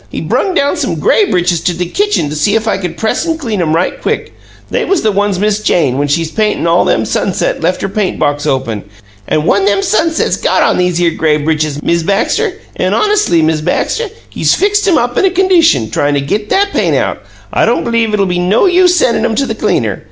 He brung down some gray britches to the kitchen to see if I couldn' press an' clean 'em right quick: they was the ones Miss Jane, when she's paintin' all them sunsets, lef' her paint box open, an' one them sunsets got on these here gray britches, Miz Baxter; an' hones'ly, Miz Baxter, he's fixed 'em in a condishum, tryin' to git that paint out, I don't believe it 'll be no use sendin' 'em to the cleaner.